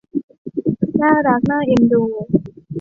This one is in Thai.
น่ารักน่าเอ็นดู